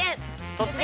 「突撃！